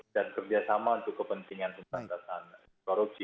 dan kerjasama untuk kepentingan penyelesaian korupsi